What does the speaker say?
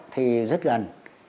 thì rất gần